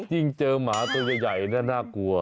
จริงเจอหมาตัวใหญ่น่ากลัว